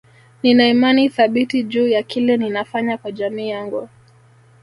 Nina imani thabiti juu ya kile ninafanya kwa jamii yangu